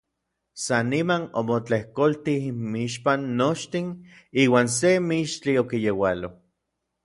San niman omotlejkoltij inmixpan nochtin iuan se mixtli okiyeualoj.